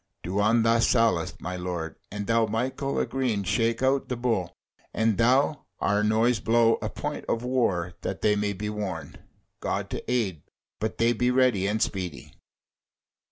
Do on thy sallet, my lord; and thou, Michael a green shake out the Bull; and thou, our Noise, blow a point of war that they may be warned. God to aid! but they be ready and speedy!"